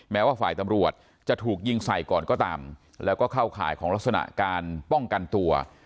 แม้ว่าฝ่ายตำรวจจะถูกยิงใส่ก่อนก็ตามแล้วก็เข้าข่ายของลักษณะการป้องกันตัว